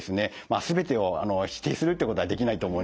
全てを否定するっていうことはできないと思うんです。